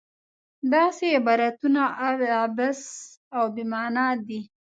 داسې عبارتونه عبث او بې معنا دي.